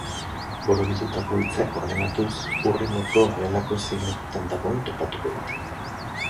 Borobildutako hitzak ordenatuz, hurrengo froga gelako zein lekuan dagoen topatuko dute.